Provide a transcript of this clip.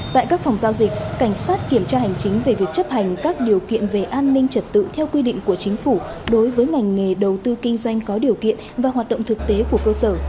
tại các phòng giao dịch cảnh sát kiểm tra hành chính về việc chấp hành các điều kiện về an ninh trật tự theo quy định của chính phủ đối với ngành nghề đầu tư kinh doanh có điều kiện và hoạt động thực tế của cơ sở